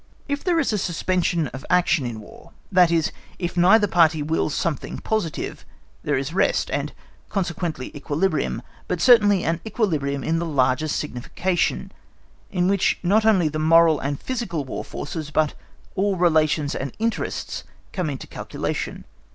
If there is a suspension of action in War, that is, if neither party wills something positive, there is rest, and consequently equilibrium, but certainly an equilibrium in the largest signification, in which not only the moral and physical war forces, but all relations and interests, come into calculation.